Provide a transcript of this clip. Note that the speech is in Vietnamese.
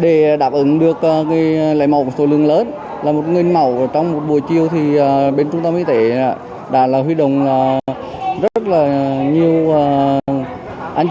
để đáp ứng được lấy mẫu của sổ lương lớn là một nguyên mẫu trong một buổi chiều thì bên trung tâm y tế đã huy động rất là nhiều anh chị